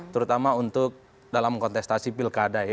terutama untuk dalam kontestasi pilkada ya